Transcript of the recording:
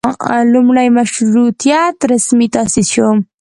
لومړۍ مشروطیت رسمي تاسیس شو.